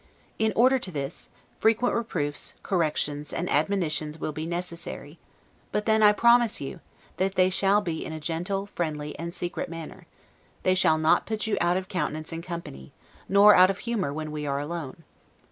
In order to this, frequent reproofs, corrections, and admonitions will be necessary; but then, I promise you, that they shall be in a gentle, friendly, and secret manner; they shall not put you out of countenance in company, nor out of humor when we are alone.